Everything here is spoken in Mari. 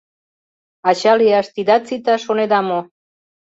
Ача лияш тидат сита, шонеда мо?